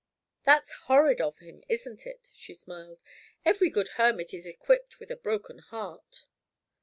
"That's horrid of him, isn't it?" she smiled. "Every good hermit is equipped with a broken heart.